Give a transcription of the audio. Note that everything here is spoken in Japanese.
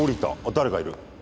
誰かいる。